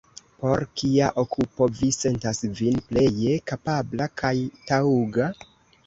Por kia okupo vi sentas vin pleje kapabla kaj taŭga?